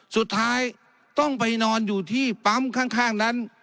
สุดท้ายต้องไปนอนอยู่ที่ปั๊มข้างนั้น